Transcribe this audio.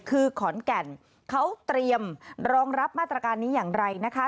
คือขอนแก่นเขาเตรียมรองรับมาตรการนี้อย่างไรนะคะ